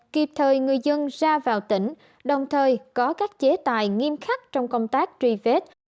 kịp thời người dân ra vào tỉnh đồng thời có các chế tài nghiêm khắc trong công tác truy vết